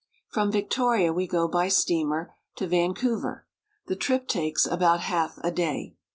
From Victoria we go by steamer to Vancou ver. The trip takes about half a day.